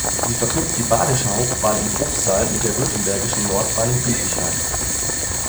Sie verknüpft die badische Hauptbahn in Bruchsal mit der württembergischen Nordbahn in Bietigheim.